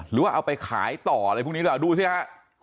หรือว่าเอาไปขายต่อพวกนี้หรือหรือหะดูสิวะ